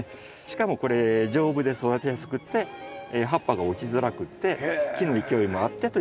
しかもこれ丈夫で育てやすくって葉っぱが落ちづらくって木の勢いもあってという。